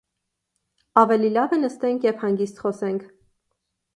Ավելի լավ է նստենք և հանգիստ խոսենք: